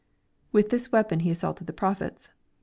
With this weapon he assaulted the prophets.